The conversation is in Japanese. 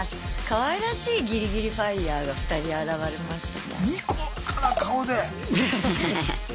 かわいらしいギリギリＦＩＲＥが２人現れましたが。